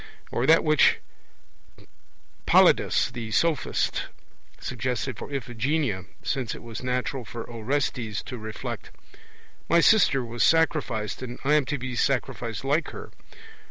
Or that which Polyidus the Sophist suggested for Iphigenia; since it was natural for Orestes to reflect: 'My sister was sacrificed, and I am to be sacrificed like her.'